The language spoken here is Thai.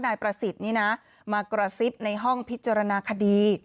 นายประสิทธิ์นี่นะมากระซิบในห้องพิจารณาคดี